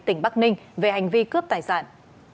tỉnh bắc ninh về hành vi cướp tài sản